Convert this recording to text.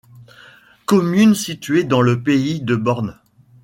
Commune située dans le Pays de Born.